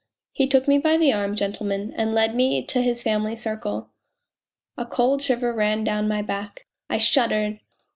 ...' He took me by the arm, gentlemen, and led me to his family circle. A cold shiver ran down my back; I shuddered